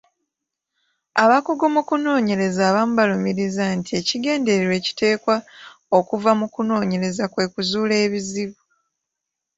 Abakugu mu kunooyereza abamu balumiriza nti ekigendererwa ekiteekwa okuva mu kunoonyereza kwe kuzuula ebizibu.